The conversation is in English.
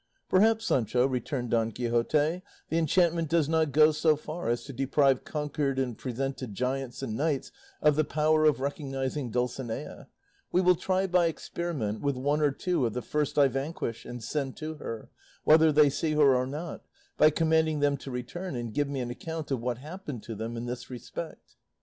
"Perhaps, Sancho," returned Don Quixote, "the enchantment does not go so far as to deprive conquered and presented giants and knights of the power of recognising Dulcinea; we will try by experiment with one or two of the first I vanquish and send to her, whether they see her or not, by commanding them to return and give me an account of what happened to them in this respect."